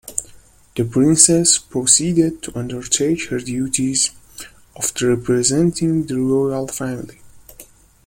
The princess proceeded to undertake her duties of representing the Royal Family.